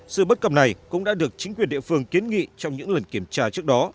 sự bất cập này cũng đã được chính quyền địa phương kiến nghị trong những lần kiểm tra trước đó